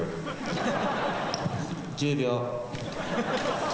１０秒。